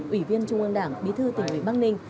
ủy viên trung ương đảng bí thư tỉnh ủy bắc ninh